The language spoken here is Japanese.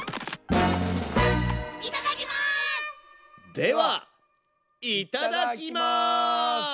ではいただきます！